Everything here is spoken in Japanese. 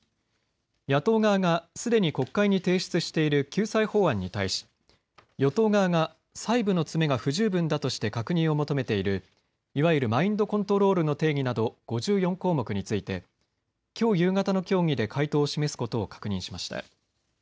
野党側がすでに国会に提出している救済法案に対し与党側が細部の詰めが不十分だとして確認を求めている、いわゆるマインドコントロールの定義など５４項目についてきょう夕方の協議で回答を示すことを確認しました。